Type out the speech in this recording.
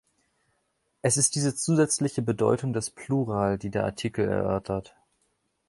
Es ist diese zusätzliche Bedeutung des Plural, die der Artikel erörtert.